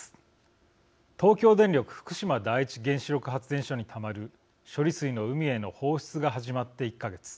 東京電力福島第一原子力発電所にたまる処理水の海への放出が始まって１か月。